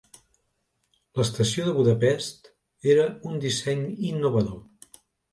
L'estació de Budapest era un disseny innovador.